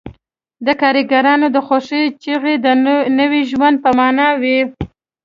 د کارګرانو د خوښۍ چیغې د نوي ژوند په مانا وې